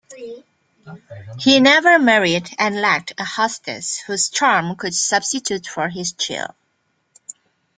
He never married and lacked a hostess whose charm could substitute for his chill.